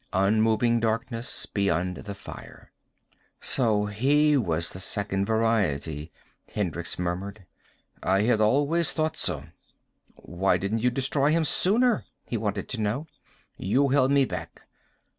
Unmoving darkness, beyond the fire. "So he was the Second Variety," Hendricks murmured. "I had always thought so." "Why didn't you destroy him sooner?" he wanted to know. "You held me back."